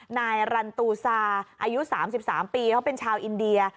นายรันตูซาอายุ๓๓ปีเขาเป็นชาวอินเดีย